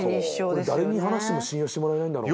これ誰に話しても信用してもらえないんだろうな。